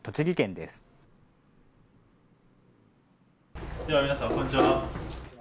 では皆さん、こんにちは。